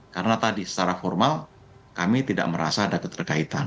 karena tadi secara formal kami tidak merasa ada keterkaitan